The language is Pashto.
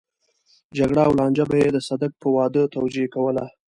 جګړه او لانجه به يې د صدک په واده توجيه کوله.